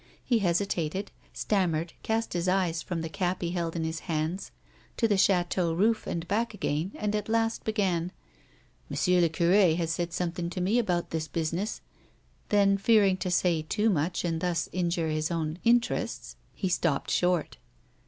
He hesitated, stammered, cast his eyes from the cap he held in his hands to the chateau roof and back again, and at last began :" M'sieu I'cure has said somethin' to me about this busi ness —" then, fearing to say too much and thus injure his own interests, he stopped short.